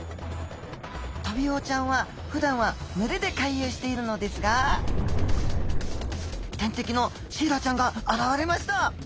トビウオちゃんはふだんは群れで回遊しているのですが天敵のシイラちゃんが現れました。